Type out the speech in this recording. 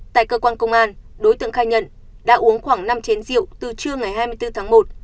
tại cơ quan công an đối tượng khai nhận đã uống khoảng năm chén rượu từ trưa ngày hai mươi bốn tháng một